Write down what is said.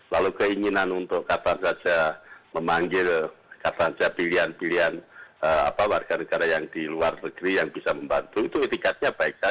lalu keinginan untuk kapan saja memanggil kapan saja pilihan pilihan warga negara yang di luar negeri yang bisa membantu itu itikatnya baik saja